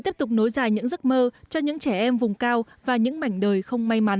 tiếp tục nối dài những giấc mơ cho những trẻ em vùng cao và những mảnh đời không may mắn